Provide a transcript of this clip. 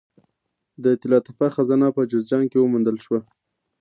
د طلا تپه خزانه په جوزجان کې وموندل شوه